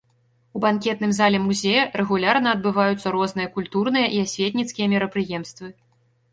У банкетным зале музея рэгулярна адбываюцца розныя культурныя і асветніцкія мерапрыемствы.